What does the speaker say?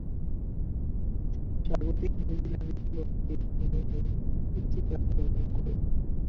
স্বাগতিক নিউজিল্যান্ডের বিপক্ষে তিনি এ কীর্তিগাঁথা রচনা করেন।